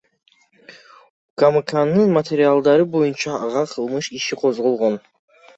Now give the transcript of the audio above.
УКМКнын материалдары боюнча ага кылмыш иши козголгон.